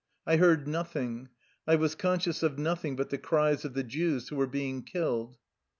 I heard nothing, I was conscious of nothing but the cries of the Jews who were being killed.